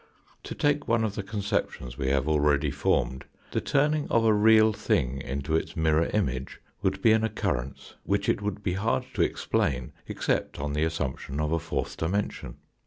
To take one of the conceptions we have already formed, the turning of a real thing into its mirror image would be an occurrence which it would be hard to explain, except on the assumption of a fourth dimension.